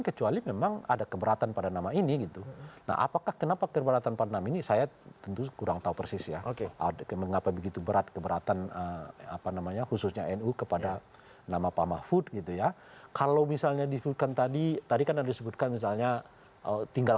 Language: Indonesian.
jelang penutupan pendaftaran